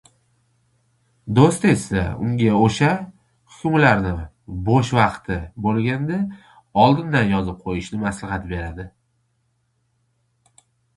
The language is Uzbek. Doʻsti esa unga oʻsha hukmlarni boʻsh vaqti boʻlganda, oldindan yozib qoʻyishni maslahat beradi.